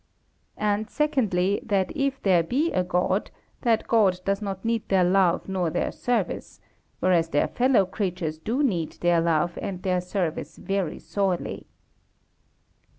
And, secondly, that if there be a God, that God does not need their love nor their service; whereas their fellow creatures do need their love and their service very sorely.